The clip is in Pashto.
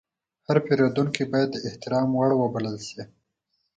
هر پیرودونکی باید د احترام وړ وبلل شي.